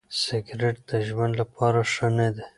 سګریټ د ژوند لپاره ښه نه دی.